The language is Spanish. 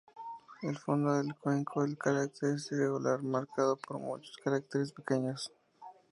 El fondo del cuenco del cráter es irregular, marcado por muchos cráteres pequeños.